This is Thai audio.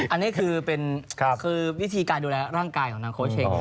อันนี้คือวิธีการดูแลร่างกายของนางโค้ชเชง